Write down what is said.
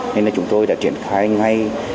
nên là chúng tôi đã triển khai ngay